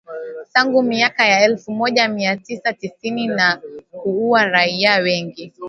tangu miaka ya elfu moja mia tisa na tisini na kuua raia wengi